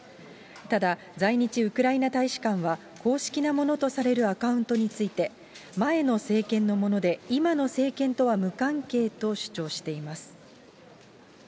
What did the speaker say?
ただ、在日ウクライナ大使館は、公式なものとされるアカウントについて、前の政権のもので、今の政権とは無関係と主張しています。